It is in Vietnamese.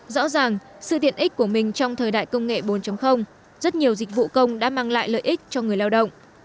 rõ ràng sự tiện ích của mình trong thời đại công nghệ bốn rất nhiều dịch vụ công đã mang lại lợi ích cho người lao động